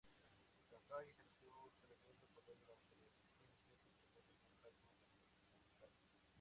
Sanjay ejerció un tremendo poder durante La Emergencia sin tener ningún cargo gubernamental.